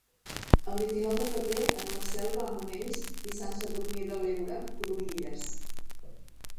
El vint-i-nou de febrer en Marcel va a Monells i Sant Sadurní de l'Heura Cruïlles.